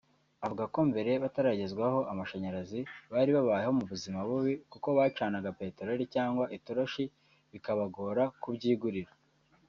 Avuga ko mbere bataragezwaho amashanyarazi bari babayeho mu buzima bubi kuko bacanaga petelori cyangwa itoroshi bikabagora kubyigurira